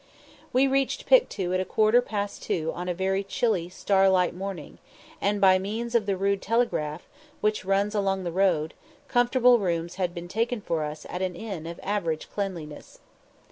We reached Pictou at a quarter past two on a very chilly starlight morning, and by means of the rude telegraph, which runs along the road, comfortable rooms had been taken for us at an inn of average cleanliness.